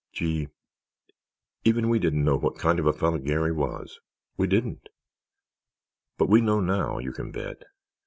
Gee, even we didn't know what kind of a fellow Garry was—we didn't. But we know now, you can bet.